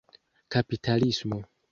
kapitalismo